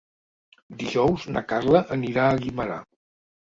Dijous na Carla anirà a Guimerà.